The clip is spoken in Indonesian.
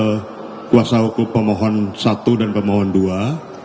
ketua penguasa hukum pemohon i dan pemohon ii